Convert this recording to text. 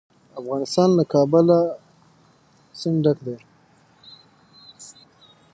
افغانستان له د کابل سیند ډک دی.